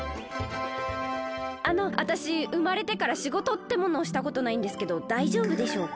あのわたしうまれてからしごとってものをしたことないんですけどだいじょうぶでしょうか？